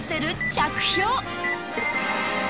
着氷